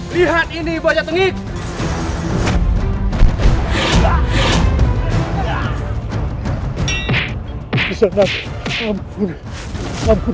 lihat ini bahut